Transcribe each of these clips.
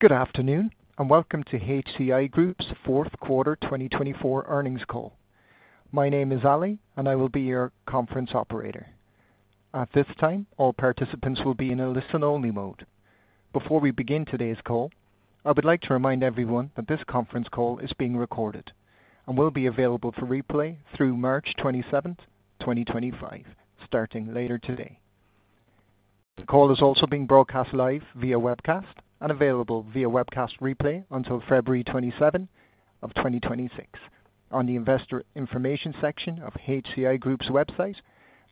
Good afternoon, and welcome to HCI Group's fourth quarter 2024 earnings call. My name is Ali, and I will be your conference operator. At this time, all participants will be in a listen-only mode. Before we begin today's call, I would like to remind everyone that this conference call is being recorded and will be available for replay through March 27th, 2025, starting later today. The call is also being broadcast live via webcast and available via webcast replay until February 27th of 2026 on the investor information section of HCI Group's website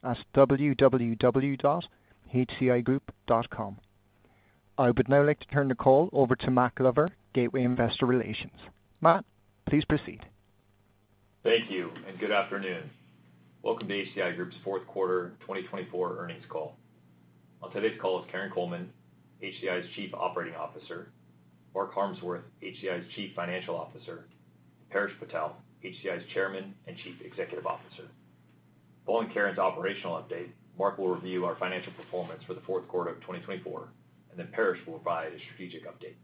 at www.hcigroup.com. I would now like to turn the call over to Matt Glover, Gateway Investor Relations. Matt, please proceed. Thank you, and good afternoon. Welcome to HCI Group's fourth quarter 2024 earnings call. On today's call is Karin Coleman, HCI's Chief Operating Officer, Mark Harmsworth, HCI's Chief Financial Officer, Paresh Patel, HCI's Chairman and Chief Executive Officer. Following Karin's operational update, Mark will review our financial performance for the fourth quarter of 2024, and then Paresh will provide a strategic update.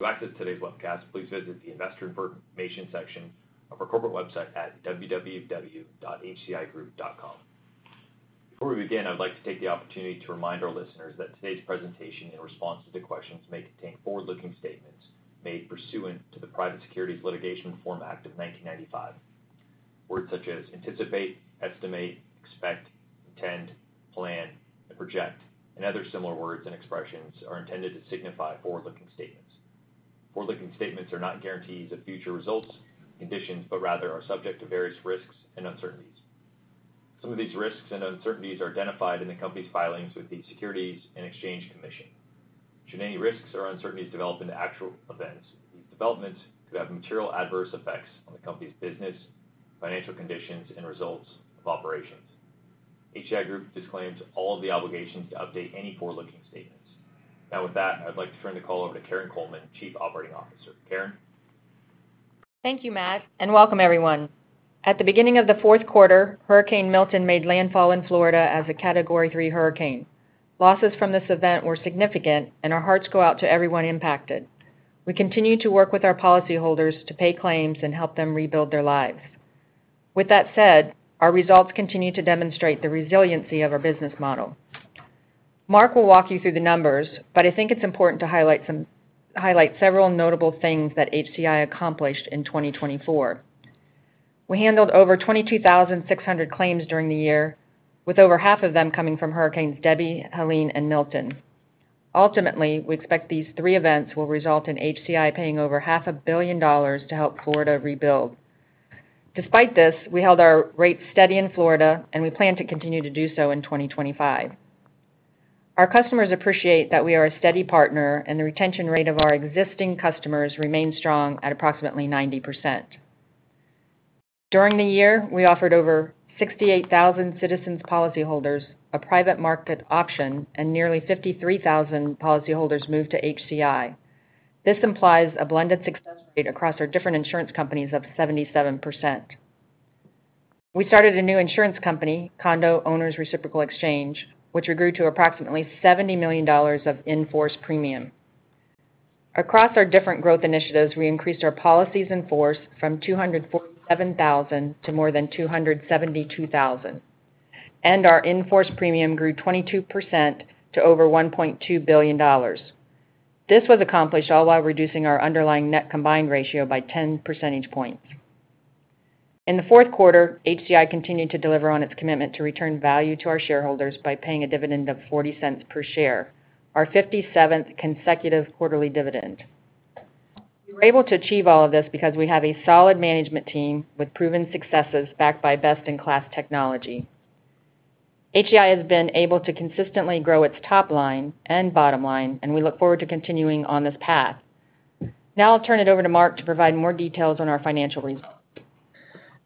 To access today's webcast, please visit the investor information section of our corporate website at www.hcigroup.com. Before we begin, I'd like to take the opportunity to remind our listeners that today's presentation, in response to the questions, may contain forward-looking statements made pursuant to the Private Securities Litigation Reform Act of 1995. Words such as anticipate, estimate, expect, intend, plan, and project, and other similar words and expressions, are intended to signify forward-looking statements. Forward-looking statements are not guarantees of future results and conditions, but rather are subject to various risks and uncertainties. Some of these risks and uncertainties are identified in the company's filings with the Securities and Exchange Commission. Should any risks or uncertainties develop into actual events, these developments could have material adverse effects on the company's business, financial conditions, and results of operations. HCI Group disclaims all of the obligations to update any forward-looking statements. Now, with that, I'd like to turn the call over to Karin Coleman, Chief Operating Officer. Karin? Thank you, Matt, and welcome, everyone. At the beginning of the fourth quarter, Hurricane Milton made landfall in Florida as a Category 3 hurricane. Losses from this event were significant, and our hearts go out to everyone impacted. We continue to work with our policyholders to pay claims and help them rebuild their lives. With that said, our results continue to demonstrate the resiliency of our business model. Mark will walk you through the numbers, but I think it's important to highlight several notable things that HCI accomplished in 2024. We handled over 22,600 claims during the year, with over half of them coming from Hurricanes Debby, Helene, and Milton. Ultimately, we expect these three events will result in HCI paying over $500 million to help Florida rebuild. Despite this, we held our rates steady in Florida, and we plan to continue to do so in 2025. Our customers appreciate that we are a steady partner, and the retention rate of our existing customers remains strong at approximately 90%. During the year, we offered over 68,000 Citizens policyholders a private market option, and nearly 53,000 policyholders moved to HCI. This implies a blended success rate across our different insurance companies of 77%. We started a new insurance company, Condo Owners Reciprocal Exchange, which we grew to approximately $70 million of in-force premium. Across our different growth initiatives, we increased our in-force policies from 247,000 to more than 272,000, and our in-force premium grew 22% to over $1.2 billion. This was accomplished all while reducing our underlying net combined ratio by 10 percentage points. In the fourth quarter, HCI continued to deliver on its commitment to return value to our shareholders by paying a dividend of $0.40 per share, our 57th consecutive quarterly dividend. We were able to achieve all of this because we have a solid management team with proven successes backed by best-in-class technology. HCI has been able to consistently grow its top line and bottom line, and we look forward to continuing on this path. Now I'll turn it over to Mark to provide more details on our financial results.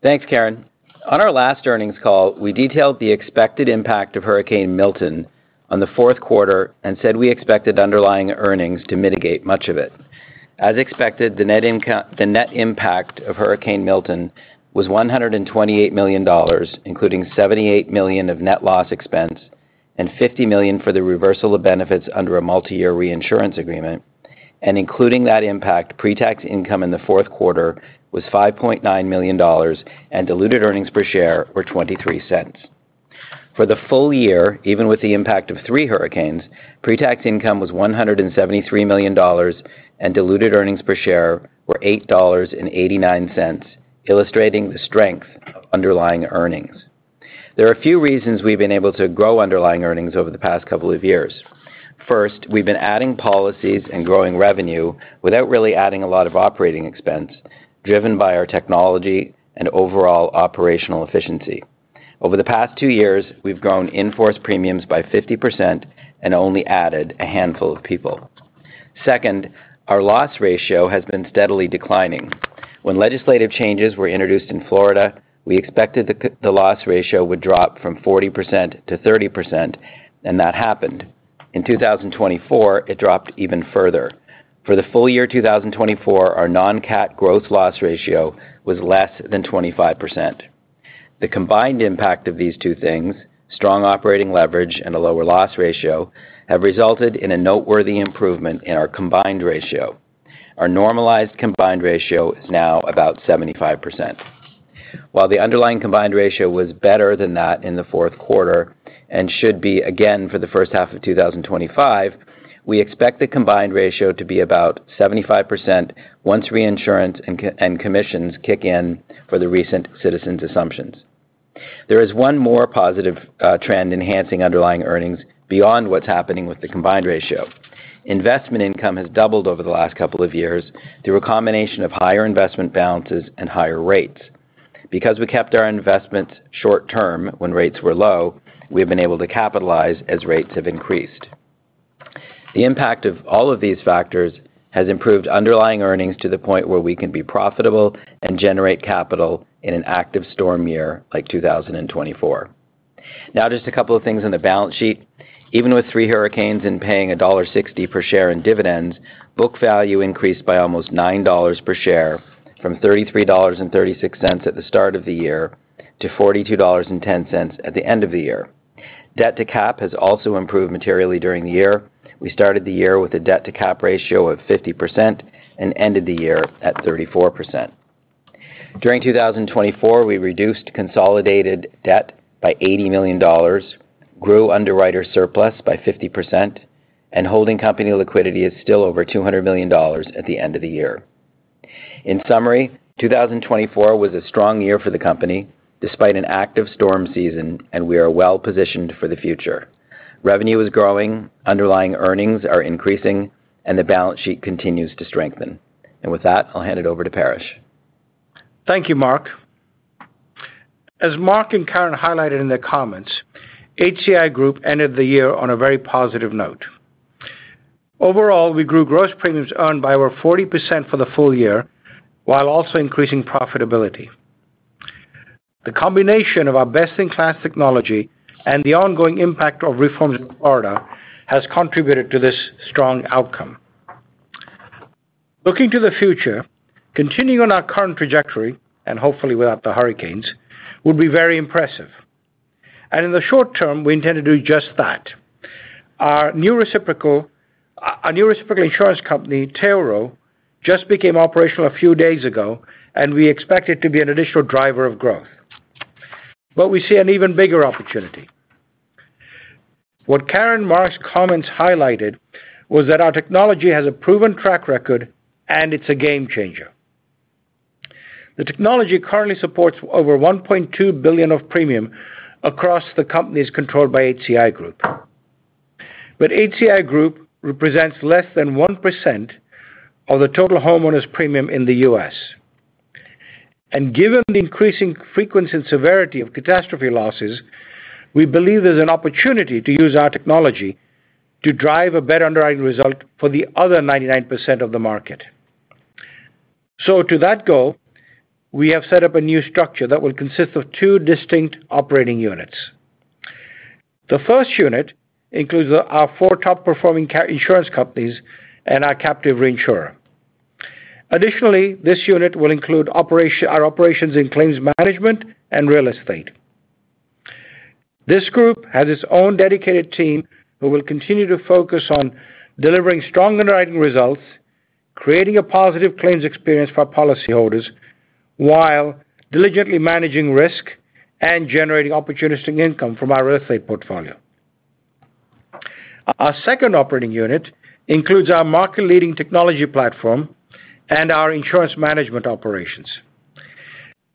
Thanks, Karin. On our last earnings call, we detailed the expected impact of Hurricane Milton on the fourth quarter and said we expected underlying earnings to mitigate much of it. As expected, the net impact of Hurricane Milton was $128 million, including $78 million of net loss expense and $50 million for the reversal of benefits under a multi-year reinsurance agreement. And including that impact, pre-tax income in the fourth quarter was $5.9 million, and diluted earnings per share were $0.23. For the full year, even with the impact of three hurricanes, pre-tax income was $173 million, and diluted earnings per share were $8.89, illustrating the strength of underlying earnings. There are a few reasons we've been able to grow underlying earnings over the past couple of years. First, we've been adding policies and growing revenue without really adding a lot of operating expense, driven by our technology and overall operational efficiency. Over the past two years, we've grown in-force premiums by 50% and only added a handful of people. Second, our loss ratio has been steadily declining. When legislative changes were introduced in Florida, we expected the loss ratio would drop from 40% to 30%, and that happened. In 2024, it dropped even further. For the full year 2024, our non-CAT gross loss ratio was less than 25%. The combined impact of these two things, strong operating leverage and a lower loss ratio, have resulted in a noteworthy improvement in our combined ratio. Our normalized combined ratio is now about 75%. While the underlying combined ratio was better than that in the fourth quarter and should be again for the first half of 2025, we expect the combined ratio to be about 75% once reinsurance and commissions kick in for the recent Citizens' assumptions. There is one more positive trend enhancing underlying earnings beyond what's happening with the combined ratio. Investment income has doubled over the last couple of years through a combination of higher investment balances and higher rates. Because we kept our investments short-term when rates were low, we have been able to capitalize as rates have increased. The impact of all of these factors has improved underlying earnings to the point where we can be profitable and generate capital in an active storm year like 2024. Now, just a couple of things on the balance sheet. Even with three hurricanes and paying $1.60 per share in dividends, book value increased by almost $9 per share from $33.36 at the start of the year to $42.10 at the end of the year. Debt-to-cap has also improved materially during the year. We started the year with a debt-to-cap ratio of 50% and ended the year at 34%. During 2024, we reduced consolidated debt by $80 million, grew underwriter surplus by 50%, and holding company liquidity is still over $200 million at the end of the year. In summary, 2024 was a strong year for the company despite an active storm season, and we are well-positioned for the future. Revenue is growing, underlying earnings are increasing, and the balance sheet continues to strengthen, and with that, I'll hand it over to Paresh. Thank you, Mark. As Mark and Karin highlighted in their comments, HCI Group ended the year on a very positive note. Overall, we grew gross premiums earned by over 40% for the full year, while also increasing profitability. The combination of our best-in-class technology and the ongoing impact of reforms in Florida has contributed to this strong outcome. Looking to the future, continuing on our current trajectory, and hopefully without the hurricanes, would be very impressive, and in the short term, we intend to do just that. Our new reciprocal insurance company, Tailrow, just became operational a few days ago, and we expect it to be an additional driver of growth, but we see an even bigger opportunity. What Karin and Mark's comments highlighted was that our technology has a proven track record, and it's a game changer. The technology currently supports over $1.2 billion of premium across the companies controlled by HCI Group, but HCI Group represents less than 1% of the total homeowners' premium in the U.S., and given the increasing frequency and severity of catastrophe losses, we believe there's an opportunity to use our technology to drive a better underlying result for the other 99% of the market, so to that goal, we have set up a new structure that will consist of two distinct operating units. The first unit includes our four top-performing insurance companies and our captive reinsurer. Additionally, this unit will include our operations in claims management and real estate. This group has its own dedicated team who will continue to focus on delivering strong underwriting results, creating a positive claims experience for policyholders, while diligently managing risk and generating opportunistic income from our real estate portfolio. Our second operating unit includes our market-leading technology platform and our insurance management operations.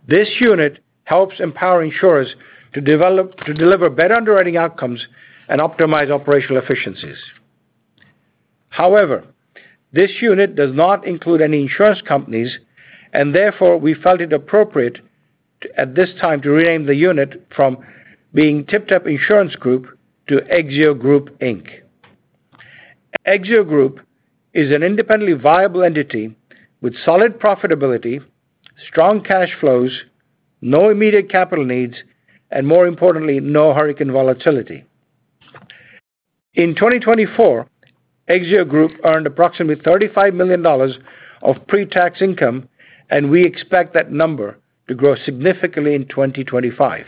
This unit helps empower insurers to deliver better underwriting outcomes and optimize operational efficiencies. However, this unit does not include any insurance companies, and therefore we felt it appropriate at this time to rename the unit from being TypTap Insurance Group to Exzeo Group Inc. Exzeo Group is an independently viable entity with solid profitability, strong cash flows, no immediate capital needs, and more importantly, no hurricane volatility. In 2024, Exzeo Group earned approximately $35 million of pre-tax income, and we expect that number to grow significantly in 2025.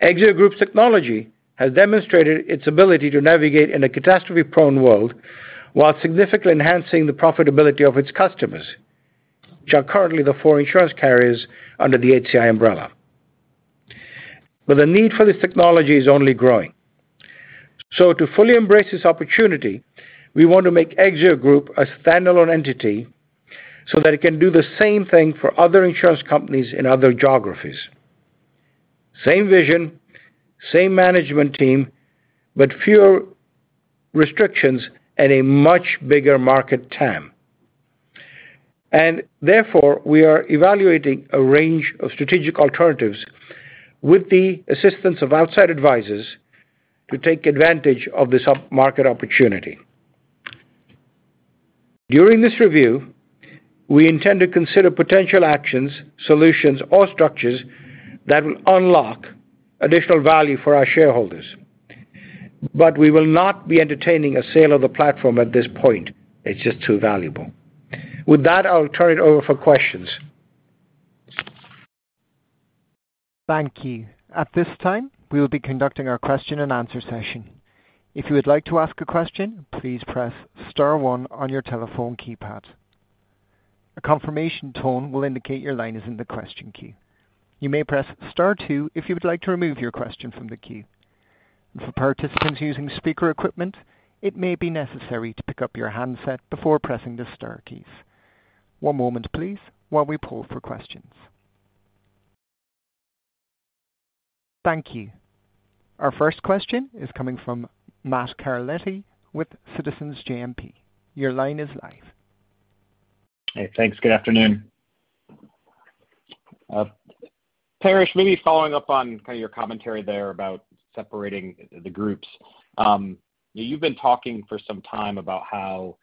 Exzeo Group's technology has demonstrated its ability to navigate in a catastrophe-prone world while significantly enhancing the profitability of its customers, which are currently the four insurance carriers under the HCI umbrella. But the need for this technology is only growing. So to fully embrace this opportunity, we want to make Exzeo Group a standalone entity so that it can do the same thing for other insurance companies in other geographies. Same vision, same management team, but fewer restrictions and a much bigger market TAM. And therefore, we are evaluating a range of strategic alternatives with the assistance of outside advisors to take advantage of this market opportunity. During this review, we intend to consider potential actions, solutions, or structures that will unlock additional value for our shareholders. But we will not be entertaining a sale of the platform at this point. It's just too valuable. With that, I'll turn it over for questions. Thank you. At this time, we will be conducting our question-and-answer session. If you would like to ask a question, please press star 1 on your telephone keypad. A confirmation tone will indicate your line is in the question queue. You may press star two if you would like to remove your question from the queue. For participants using speaker equipment, it may be necessary to pick up your handset before pressing the star keys. One moment, please, while we pull for questions. Thank you. Our first question is coming from Matthew Carletti with Citizens JMP. Your line is live. Hey, thanks. Good afternoon. Paresh, maybe following up on kind of your commentary there about separating the groups, you've been talking for some time about how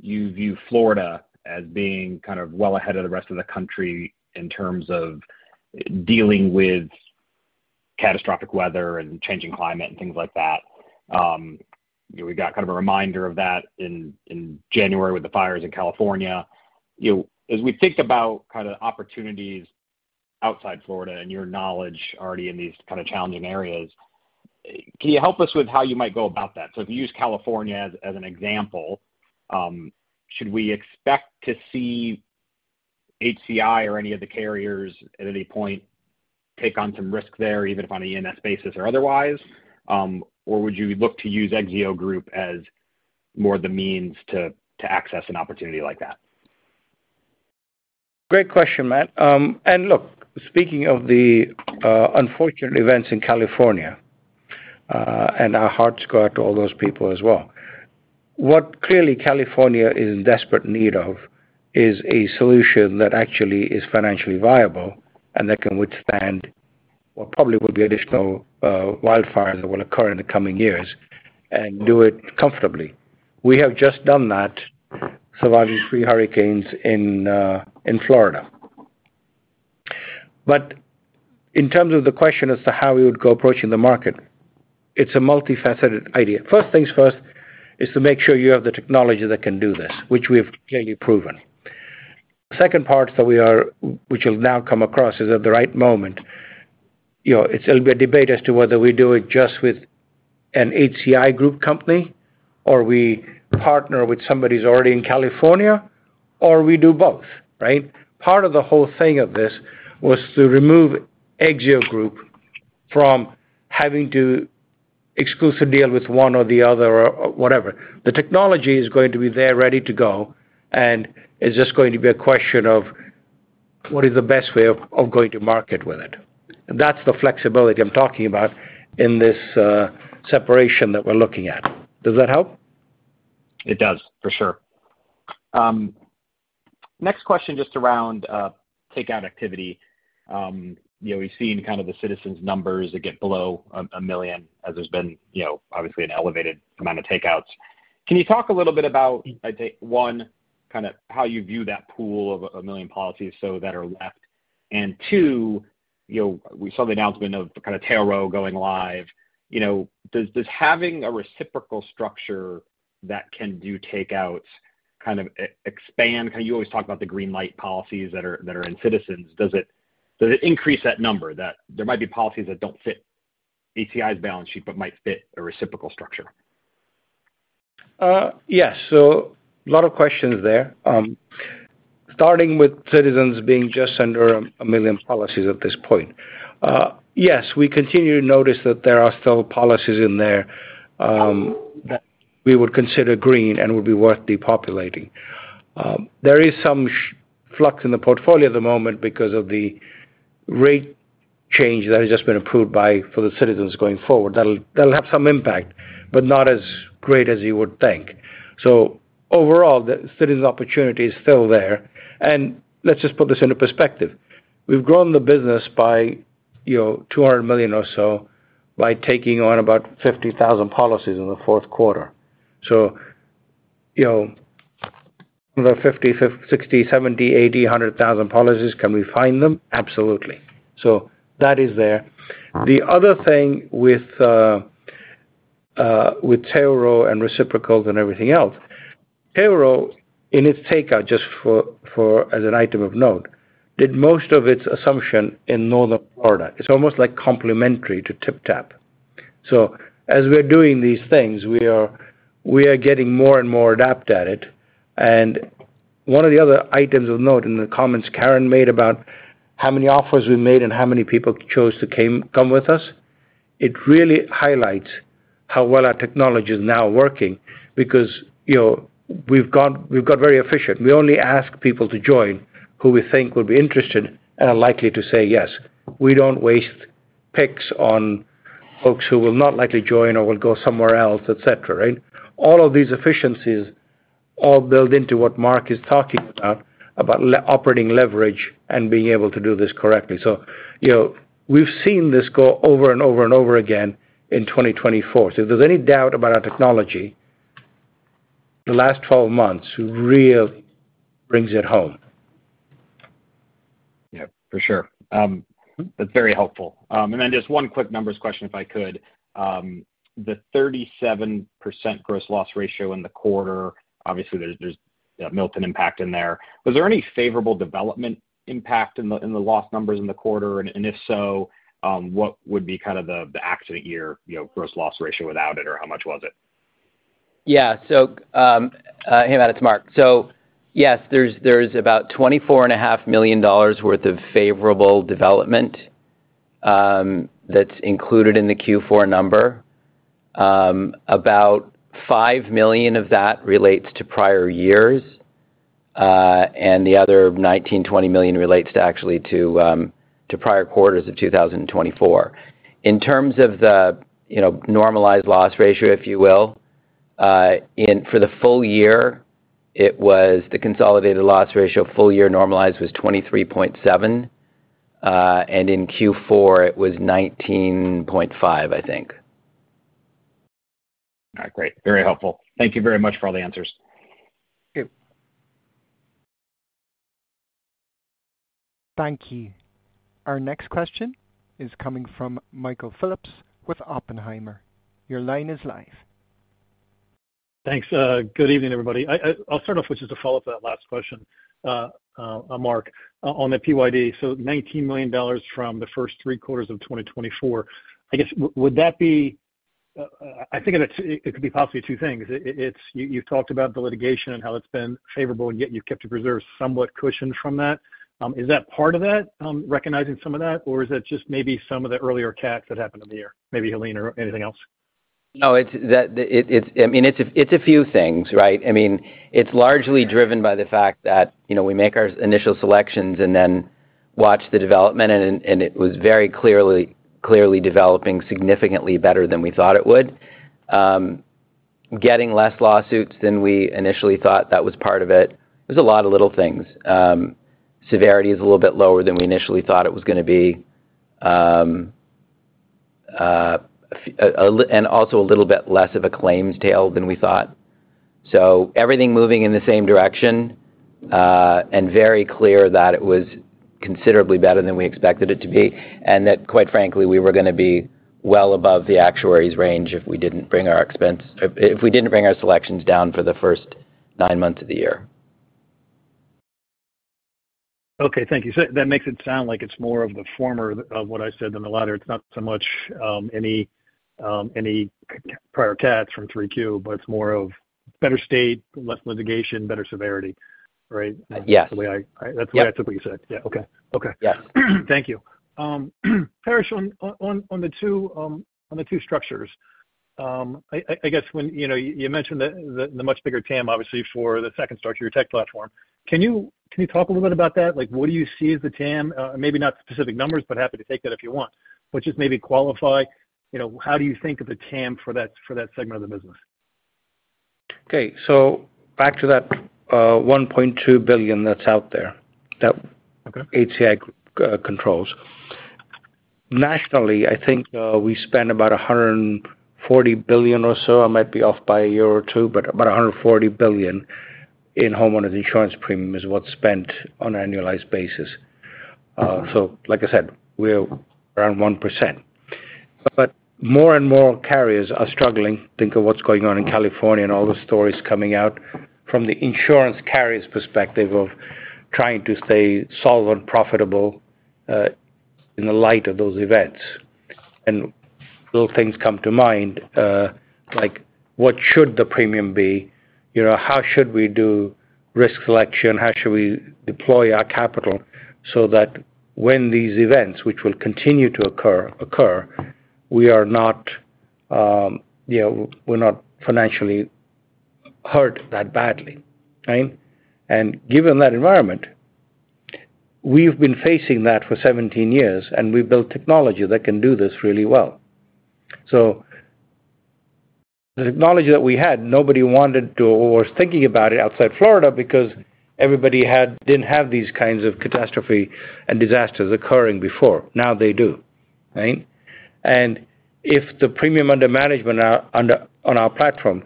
you view Florida as being kind of well ahead of the rest of the country in terms of dealing with catastrophic weather and changing climate and things like that. We got kind of a reminder of that in January with the fires in California. As we think about kind of opportunities outside Florida and your knowledge already in these kind of challenging areas, can you help us with how you might go about that? So if you use California as an example, should we expect to see HCI or any of the carriers at any point take on some risk there, even if on an E&S basis or otherwise? Or would you look to use Exzeo Group as more the means to access an opportunity like that? Great question, Matt. And look, speaking of the unfortunate events in California, and our hearts go out to all those people as well. What clearly California is in desperate need of is a solution that actually is financially viable and that can withstand what probably will be additional wildfires that will occur in the coming years and do it comfortably. We have just done that surviving three hurricanes in Florida. But in terms of the question as to how we would go approaching the market, it's a multifaceted idea. First things first is to make sure you have the technology that can do this, which we have clearly proven. Second part that we are which will now come across is at the right moment. It'll be a debate as to whether we do it just with an HCI Group company or we partner with somebody who's already in California or we do both, right? Part of the whole thing of this was to remove Exzeo Group from having to exclusively deal with one or the other or whatever. The technology is going to be there ready to go, and it's just going to be a question of what is the best way of going to market with it. And that's the flexibility I'm talking about in this separation that we're looking at. Does that help? It does, for sure. Next question just around takeout activity. We've seen kind of the Citizens' numbers that get below a million as there's been obviously an elevated amount of takeouts. Can you talk a little bit about, I'd say, one, kind of how you view that pool of a million policies that are left? And two, we saw the announcement of kind of Tailrow going live. Does having a reciprocal structure that can do takeouts kind of expand? You always talk about the green light policies that are in Citizens. Does it increase that number? There might be policies that don't fit HCI's balance sheet, but might fit a reciprocal structure. Yes. So a lot of questions there. Starting with Citizens being just under a million policies at this point. Yes, we continue to notice that there are still policies in there that we would consider green and would be worth depopulating. There is some flux in the portfolio at the moment because of the rate change that has just been approved for Citizens going forward. That'll have some impact, but not as great as you would think. So overall, the Citizens opportunity is still there. And let's just put this into perspective. We've grown the business by $200 million or so by taking on about 50,000 policies in the fourth quarter. So 50,000, 60,000, 70,000, 80,000, 100,000 policies, can we find them? Absolutely. So that is there. The other thing with Tailrow and reciprocals and everything else, Tailrow, in its takeout, just as an item of note, did most of its assumption in Northern Florida. It's almost like complementary to TypTap. So as we're doing these things, we are getting more and more adept at it. And one of the other items of note in the comments Karin made about how many offers we made and how many people chose to come with us, it really highlights how well our technology is now working because we've got very efficient. We only ask people to join who we think will be interested and are likely to say yes. We don't waste picks on folks who will not likely join or will go somewhere else, etc., right? All of these efficiencies all build into what Mark is talking about, about operating leverage and being able to do this correctly. So we've seen this go over and over and over again in 2024. So if there's any doubt about our technology, the last 12 months really brings it home. Yeah, for sure. That's very helpful. And then just one quick numbers question, if I could. The 37% gross loss ratio in the quarter, obviously, there's a Milton impact in there. Was there any favorable development impact in the loss numbers in the quarter? And if so, what would be kind of the accident year gross loss ratio without it, or how much was it? Yeah. So hey, Matt. It's Mark. So yes, there's about $24.5 million worth of favorable development that's included in the Q4 number. About $5 million of that relates to prior years, and the other $19 million-$20 million relates to actually to prior quarters of 2024. In terms of the normalized loss ratio, if you will, for the full year, it was the consolidated loss ratio full year normalized was 23.7, and in Q4, it was 19.5, I think. All right. Great. Very helpful. Thank you very much for all the answers. Thank you. Our next question is coming from Michael Phillips with Oppenheimer. Your line is live. Thanks. Good evening, everybody. I'll start off with just a follow-up to that last question, Mark. On the PYD, so $19 million from the first three quarters of 2024, I guess, would that be I think it could be possibly two things. You've talked about the litigation and how it's been favorable, and yet you've kept your reserves somewhat cushioned from that. Is that part of that, recognizing some of that, or is that just maybe some of the earlier Cats that happened in the year, maybe Helene or anything else? No, I mean, it's a few things, right? I mean, it's largely driven by the fact that we make our initial selections and then watch the development, and it was very clearly developing significantly better than we thought it would. Getting less lawsuits than we initially thought, that was part of it. There's a lot of little things. Severity is a little bit lower than we initially thought it was going to be, and also a little bit less of a claims tail than we thought. So everything moving in the same direction and very clear that it was considerably better than we expected it to be, and that, quite frankly, we were going to be well above the actuaries' range if we didn't bring our selections down for the first nine months of the year. Okay. Thank you. So that makes it sound like it's more of the former of what I said than the latter. It's not so much any prior cats from 3Q, but it's more of better state, less litigation, better severity, right? Yes. That's the way I took what you said. Yeah. Okay. Okay. Thank you. Paresh, on the two structures, I guess when you mentioned the much bigger TAM, obviously, for the second structure, your tech platform. Can you talk a little bit about that? What do you see as the TAM? Maybe not specific numbers, but happy to take that if you want, but just maybe qualify, how do you think of the TAM for that segment of the business? Okay. So back to that $1.2 billion that's out there, that HCI controls. Nationally, I think we spend about $140 billion or so. I might be off by a year or two, but about $140 billion in homeowners insurance premium is what's spent on an annualized basis. So like I said, we're around 1%. But more and more carriers are struggling. Think of what's going on in California and all the stories coming out from the insurance carrier's perspective of trying to stay solvent, profitable in the light of those events. And little things come to mind, like what should the premium be? How should we do risk selection? How should we deploy our capital so that when these events, which will continue to occur, occur, we are not financially hurt that badly, right? Given that environment, we've been facing that for 17 years, and we built technology that can do this really well. The technology that we had, nobody wanted to or was thinking about it outside Florida because everybody didn't have these kinds of catastrophe and disasters occurring before. Now they do, right? If the premium under management on our platform,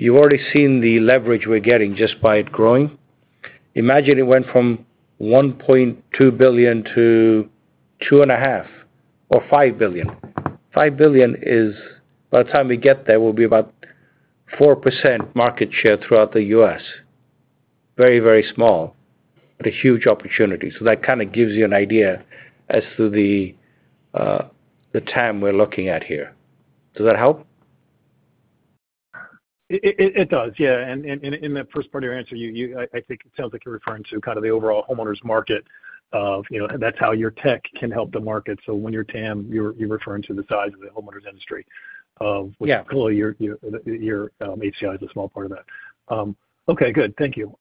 you've already seen the leverage we're getting just by it growing. Imagine it went from $1.2 billion to $2.5 billion or $5 billion. $5 billion is by the time we get there, we'll be about 4% market share throughout the U.S. Very, very small, but a huge opportunity. That kind of gives you an idea as to the TAM we're looking at here. Does that help? It does. Yeah, and in the first part of your answer, I think it sounds like you're referring to kind of the overall homeowners market, and that's how your tech can help the market. So when your TAM, you're referring to the size of the homeowners industry, which clearly your HCI is a small part of that. Okay. Good. Thank you.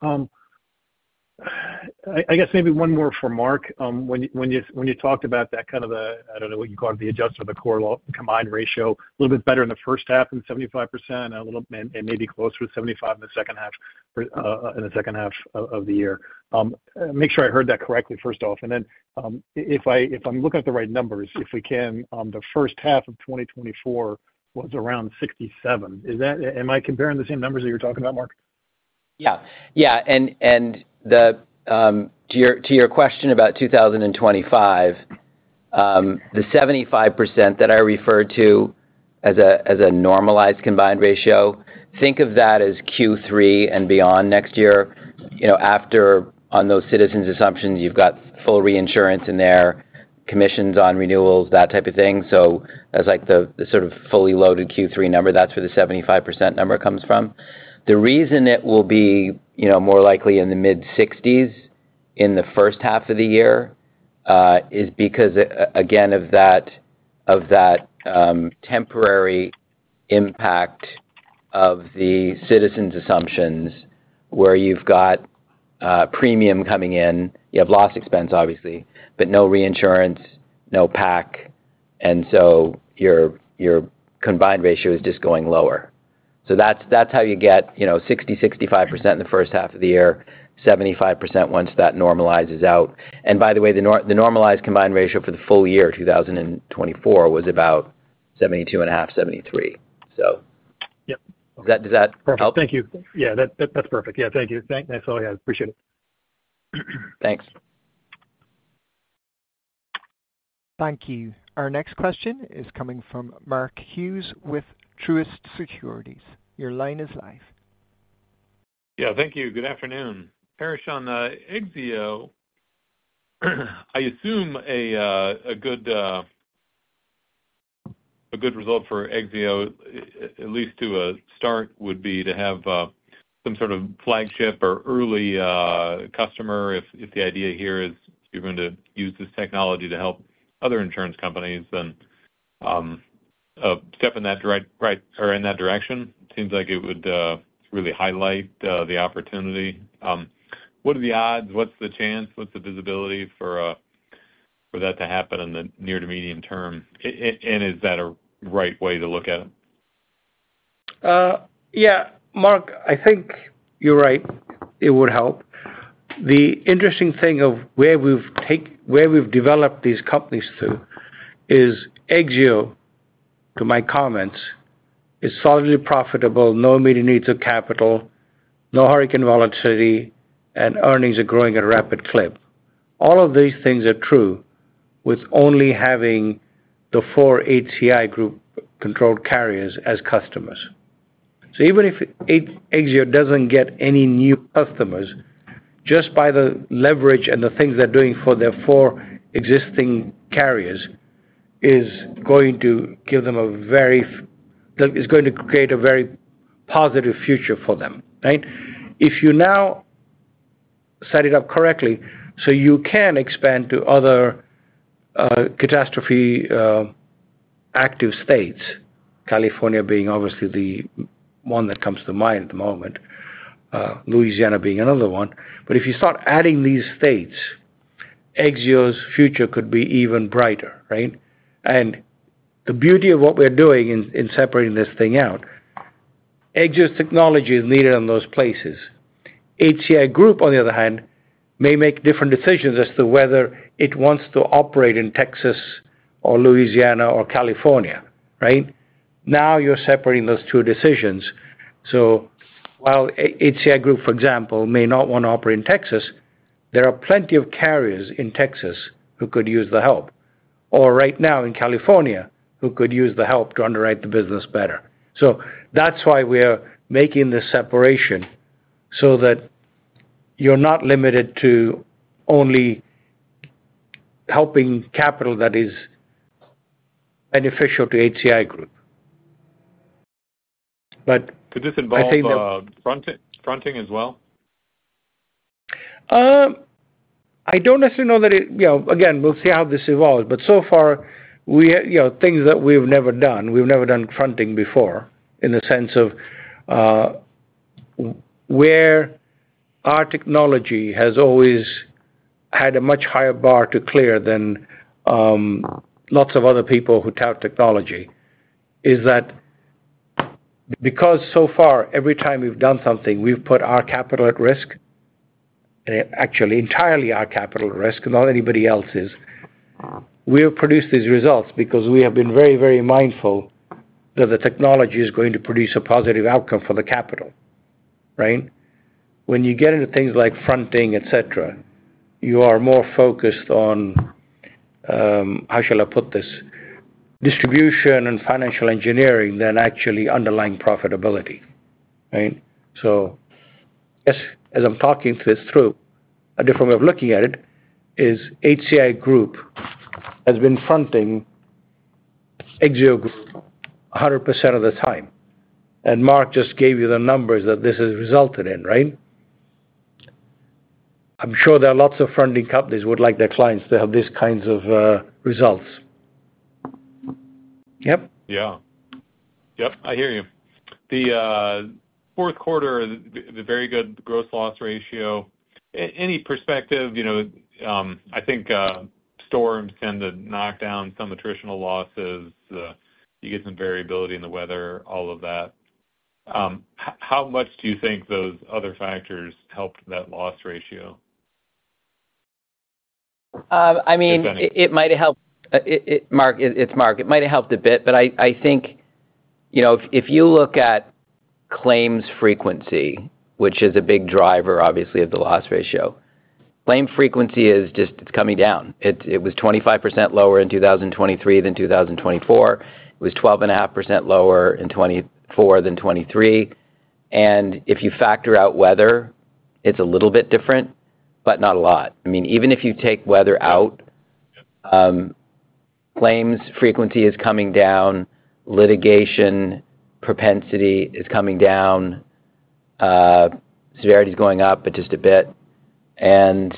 I guess maybe one more for Mark. When you talked about that kind of the, I don't know what you called it, the adjustment of the core combined ratio, a little bit better in the first half than 75% and maybe closer to 75% in the second half of the year. Make sure I heard that correctly, first off. And then if I'm looking at the right numbers, if we can, the first half of 2024 was around 67%. Am I comparing the same numbers that you're talking about, Mark? Yeah. Yeah. And to your question about 2025, the 75% that I referred to as a normalized combined ratio, think of that as Q3 and beyond next year. After on those Citizens' assumptions, you've got full reinsurance in there, commissions on renewals, that type of thing. So that's like the sort of fully loaded Q3 number. That's where the 75% number comes from. The reason it will be more likely in the mid-60s in the first half of the year is because, again, of that temporary impact of the Citizens' assumptions where you've got premium coming in. You have loss expense, obviously, but no reinsurance, no PAC. And so your combined ratio is just going lower. So that's how you get 60%-65% in the first half of the year, 75% once that normalizes out. By the way, the normalized combined ratio for the full year 2024 was about 72.5%-73%. Does that help? Perfect. Thank you. Yeah, that's perfect. Yeah. Thank you. Thanks. I appreciate it. Thanks. Thank you. Our next question is coming from Mark Hughes with Truist Securities. Your line is live. Yeah. Thank you. Good afternoon. Paresh, on the Exzeo, I assume a good result for Exzeo, at least to a start, would be to have some sort of flagship or early customer. If the idea here is you're going to use this technology to help other insurance companies, then step in that direction, it seems like it would really highlight the opportunity. What are the odds? What's the chance? What's the visibility for that to happen in the near to medium term? And is that a right way to look at it? Yeah. Mark, I think you're right. It would help. The interesting thing of where we've developed these companies through is Exzeo, to my comments, is solidly profitable, no immediate needs of capital, no hurricane volatility, and earnings are growing at a rapid clip. All of these things are true with only having the four HCI Group controlled carriers as customers. So even if Exzeo doesn't get any new customers, just by the leverage and the things they're doing for their four existing carriers is going to create a very positive future for them, right? If you now set it up correctly, so you can expand to other catastrophe active states, California being obviously the one that comes to mind at the moment, Louisiana being another one. But if you start adding these states, Exzeo's future could be even brighter, right? And the beauty of what we're doing in separating this thing out, Exzeo's technology is needed in those places. HCI Group, on the other hand, may make different decisions as to whether it wants to operate in Texas or Louisiana or California, right? Now you're separating those two decisions. So while HCI Group, for example, may not want to operate in Texas, there are plenty of carriers in Texas who could use the help, or right now in California who could use the help to underwrite the business better. So that's why we're making this separation so that you're not limited to only helping capital that is beneficial to HCI Group. Could this involve fronting as well? I don't necessarily know that, again, we'll see how this evolves, but so far, things that we've never done. We've never done fronting before in the sense of where our technology has always had a much higher bar to clear than lots of other people who tout technology. Is that because so far, every time we've done something, we've put our capital at risk, actually entirely our capital at risk, not anybody else's. We have produced these results because we have been very, very mindful that the technology is going to produce a positive outcome for the capital, right? When you get into things like fronting, etc., you are more focused on, how shall I put this, distribution and financial engineering than actually underlying profitability, right? So as I'm talking this through, a different way of looking at it is HCI Group has been fronting Exzeo Group 100% of the time. And Mark just gave you the numbers that this has resulted in, right? I'm sure there are lots of fronting companies who would like their clients to have these kinds of results. Yep? Yeah. Yep. I hear you. The fourth quarter, the very good gross loss ratio, any perspective? I think storms tend to knock down some attritional losses. You get some variability in the weather, all of that. How much do you think those other factors helped that loss ratio? I mean, it might have helped. Mark, it's Mark. It might have helped a bit, but I think if you look at claims frequency, which is a big driver, obviously, of the loss ratio, claim frequency is just coming down. It was 25% lower in 2023 than 2024. It was 12.5% lower in 2024 than 2023, and if you factor out weather, it's a little bit different, but not a lot. I mean, even if you take weather out, claims frequency is coming down, litigation propensity is coming down, severity is going up, but just a bit, and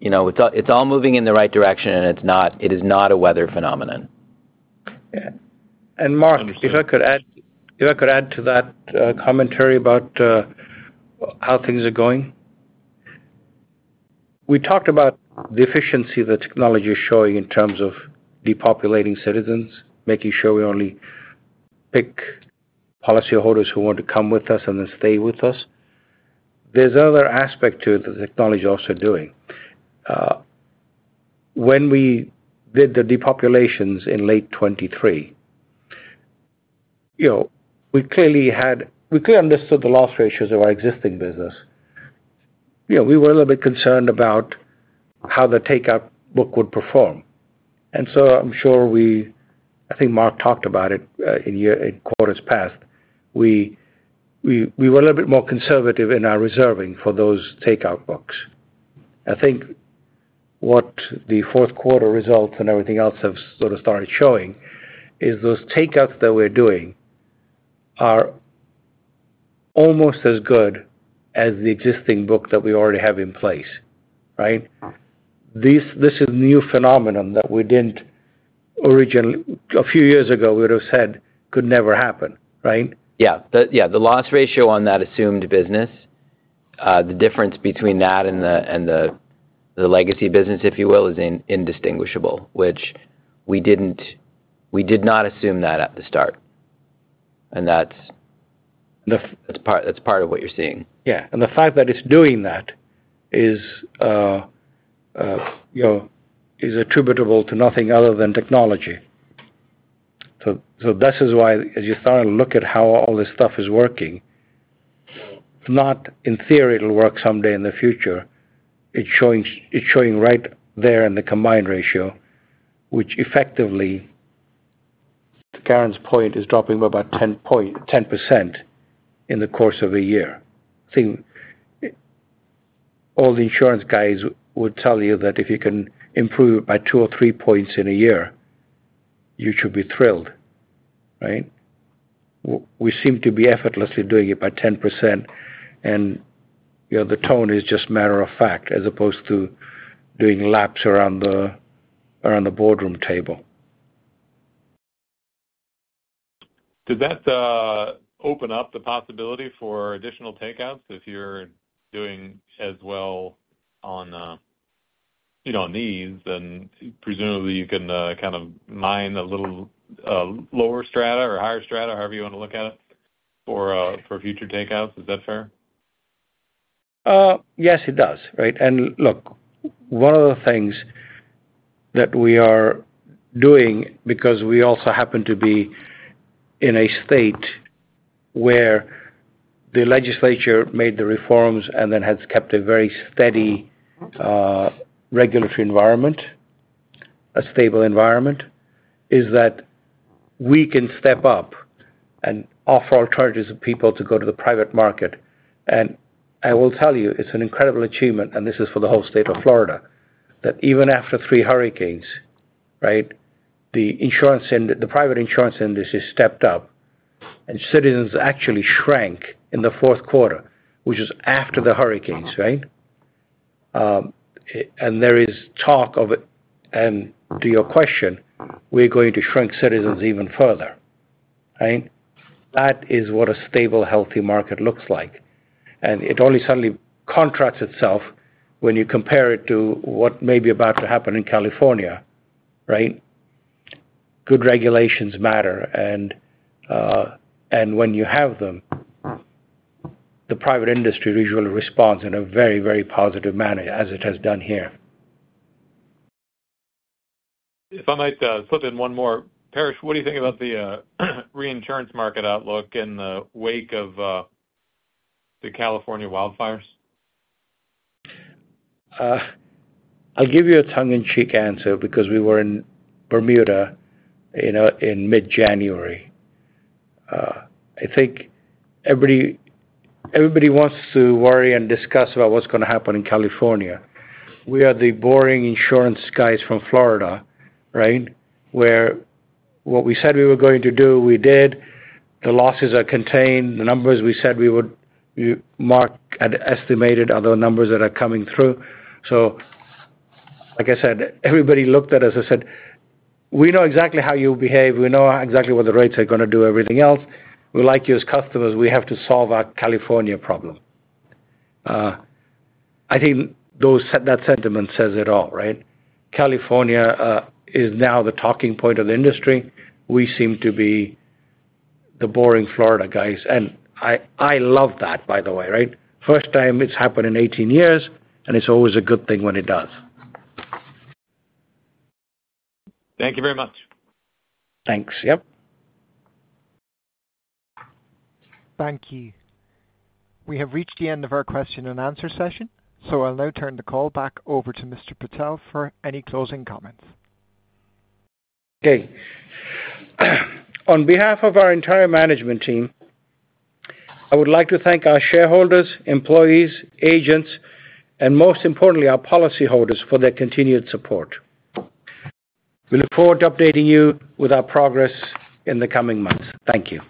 it's all moving in the right direction, and it is not a weather phenomenon. Mark, if I could add to that commentary about how things are going, we talked about the efficiency the technology is showing in terms of depopulating Citizens, making sure we only pick policyholders who want to come with us and then stay with us. There's another aspect to it that the technology is also doing. When we did the depopulations in late 2023, we clearly understood the loss ratios of our existing business. We were a little bit concerned about how the takeout book would perform. And so I'm sure, I think Mark talked about it in quarters past. We were a little bit more conservative in our reserving for those takeout books. I think what the fourth quarter results and everything else have sort of started showing is those takeouts that we're doing are almost as good as the existing book that we already have in place, right? This is a new phenomenon that we didn't originally a few years ago, we would have said could never happen, right? Yeah. The loss ratio on that assumed business, the difference between that and the legacy business, if you will, is indistinguishable, which we did not assume that at the start, and that's part of what you're seeing. Yeah. And the fact that it's doing that is attributable to nothing other than technology. So this is why, as you start to look at how all this stuff is working, not in theory it'll work someday in the future. It's showing right there in the combined ratio, which effectively, to Karin's point, is dropping by about 10% in the course of a year. I think all the insurance guys would tell you that if you can improve by two or three points in a year, you should be thrilled, right? We seem to be effortlessly doing it by 10%, and the tone is just a matter of fact as opposed to doing laps around the boardroom table. Does that open up the possibility for additional takeouts? If you're doing as well on these, then presumably you can kind of mine a little lower strata or higher strata, however you want to look at it, for future takeouts. Is that fair? Yes, it does, right? And look, one of the things that we are doing, because we also happen to be in a state where the legislature made the reforms and then has kept a very steady regulatory environment, a stable environment, is that we can step up and offer alternatives to people to go to the private market. And I will tell you, it's an incredible achievement, and this is for the whole state of Florida, that even after three hurricanes, right, the private insurance industry stepped up and Citizens actually shrank in the fourth quarter, which was after the hurricanes, right? And there is talk of, and to your question, we're going to shrink Citizens even further, right? That is what a stable, healthy market looks like. And it only suddenly contracts itself when you compare it to what may be about to happen in California, right? Good regulations matter. And when you have them, the private industry usually responds in a very, very positive manner, as it has done here. If I might slip in one more, Paresh, what do you think about the reinsurance market outlook in the wake of the California wildfires? I'll give you a tongue-in-cheek answer because we were in Bermuda in mid-January. I think everybody wants to worry and discuss about what's going to happen in California. We are the boring insurance guys from Florida, right, where what we said we were going to do, we did. The losses are contained. The numbers we said we would mark at estimated are the numbers that are coming through. So like I said, everybody looked at us and said, "We know exactly how you behave. We know exactly what the rates are going to do, everything else. We like you as customers. We have to solve our California problem." I think that sentiment says it all, right? California is now the talking point of the industry. We seem to be the boring Florida guys. And I love that, by the way, right? First time it's happened in 18 years, and it's always a good thing when it does. Thank you very much. Thanks. Yep. Thank you. We have reached the end of our question and answer session, so I'll now turn the call back over to Mr. Patel for any closing comments. Okay. On behalf of our entire management team, I would like to thank our shareholders, employees, agents, and most importantly, our policyholders for their continued support. We look forward to updating you with our progress in the coming months. Thank you.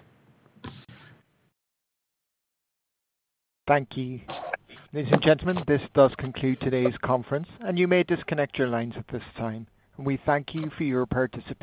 Thank you. Ladies and gentlemen, this does conclude today's conference, and you may disconnect your lines at this time. We thank you for your participation.